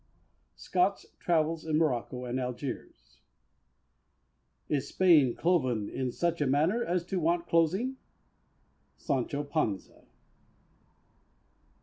SCOTT'S Travels in Morocco and Algiers. "Is Spain cloven in such a manner as to want closing?" SANCHO PANZA.